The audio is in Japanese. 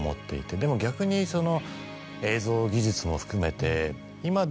でも逆にその映像技術も含めて。